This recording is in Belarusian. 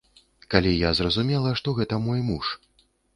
Калі я зразумела, што гэта мой муж.